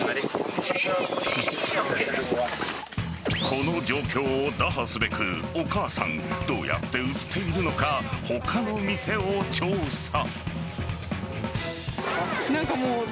この状況を打破すべくお母さんどうやって売っているのか他の店を調査。